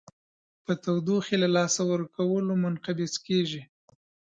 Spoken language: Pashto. په تودوخې له لاسه ورکولو منقبض کیږي.